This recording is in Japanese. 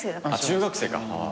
中学生か。